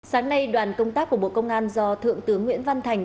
sáng nay đoàn công tác của bộ công an do thượng tướng nguyễn văn thành